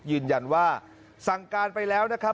ยืนยันว่าสั่งการไปแล้วนะครับ